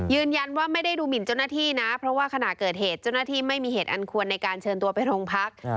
ยืนยันว่าไม่ได้ดูหมินเจ้าหน้าที่นะเพราะว่าขณะเกิดเหตุเจ้าหน้าที่ไม่มีเหตุอันควรในการเชิญตัวไปโรงพัก